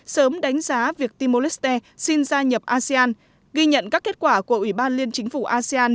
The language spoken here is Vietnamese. sớm đánh giá việc timor leste xin gia nhập asean ghi nhận các kết quả của ủy ban liên chính phủ asean